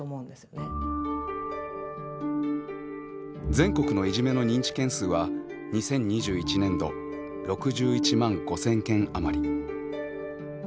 全国のいじめの認知件数は２０２１年度６１万５，０００件余り。